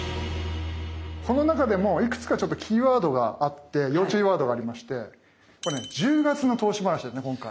この中でもいくつかちょっとキーワードがあって要注意ワードがありましてこれね１０月の投資話ですね今回。